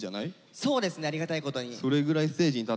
そうですねありがたいことにあとＺｅｐｐ！